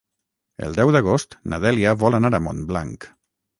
El deu d'agost na Dèlia vol anar a Montblanc.